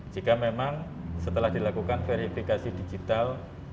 jika memang setelah dilakukan verifikasi digital